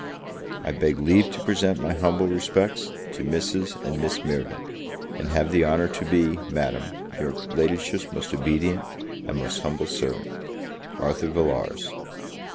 I beg leave to present my humble respects to Mrs. and Miss Mirvan; and have the honour to be, Madam, your Ladyship's most obedient and most humble servant, ARTHUR VILLARS.